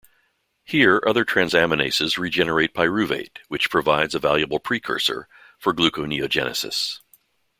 Here other transaminases regenerate pyruvate, which provides a valuable precursor for gluconeogenesis.